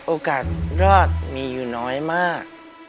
โอกาสรอดมีอยู่น้อยมาก